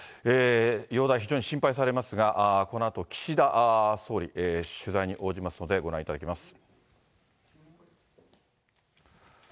容体、非常に心配されますが、このあと、岸田総理、取材に応じますのでご覧いただきます。